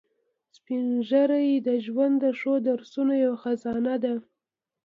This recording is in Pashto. سپین ږیری د ژوند د ښو درسونو یو خزانه دي